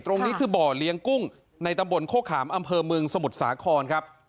ตรงนี้คือบ่อเลี้ยงกุ้งในตำบลโคขามอำเภอเมืองสมุทรสาครครับ